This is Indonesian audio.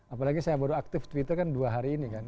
apalagi saya baru aktif twitter kan dua hari ini kan